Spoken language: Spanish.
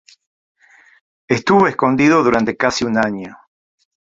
Estuvo escondido durante casi un año.